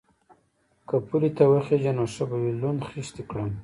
_که پولې ته وخېژې نو ښه به وي، لوند خيشت دې کړم.